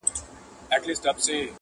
ما چي ورلېږلی وې رویباره جانان څه ویل٫